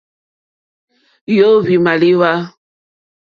Yǒhwì màlíwá.